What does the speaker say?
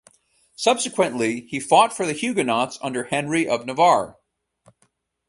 Subsequently, he fought for the Huguenots under Henry of Navarre.